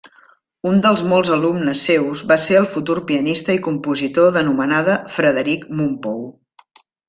Un dels molts alumnes seus va ser el futur pianista i compositor d'anomenada Frederic Mompou.